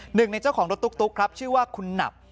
หนึ่งในเจ้าของรถตุ๊กครับชื่อว่าคุณหนับ